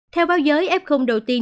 theo báo giới ép khung đầu tiên